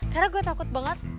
karena gue takut banget